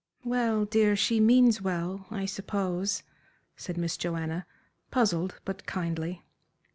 "Well, dear, she means well, I suppose," said Miss Joanna, puzzled but kindly.